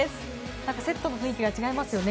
何かセットの雰囲気が違いますよね。